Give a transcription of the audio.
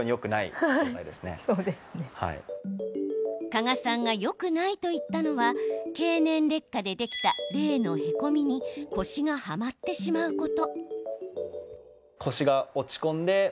加賀さんがよくないと言ったのは経年劣化でできた例のへこみに腰が、はまってしまうこと。